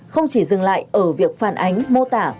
không chỉ dừng lại ở việc phản ánh mô tả